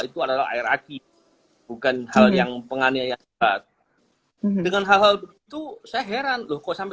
itu adalah air aci bukan hal yang penganiaya sebat dengan hal hal itu saya heran loh kok sampai